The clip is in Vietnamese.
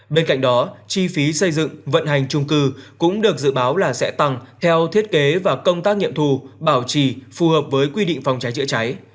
bên cạnh đó chi phí xây dựng vận hành trung cư cũng được dự báo là sẽ tăng theo thiết kế và công tác nghiệm thù bảo trì phù hợp với quy định phòng cháy chữa cháy